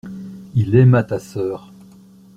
Il aima ta sœur.